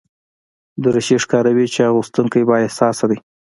دریشي ښکاروي چې اغوستونکی بااحساسه دی.